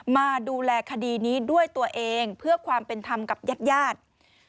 มาดูแลคดีนี้ด้วยตัวเองเพื่อความเป็นธรรมกับญาติญาติ